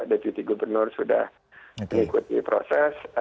deputi gubernur sudah mengikuti proses